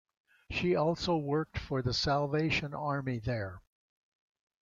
She also worked for the Salvation Army there.